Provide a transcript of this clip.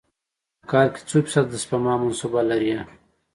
کال کې څو فیص ده د سپما منصوبه لرئ؟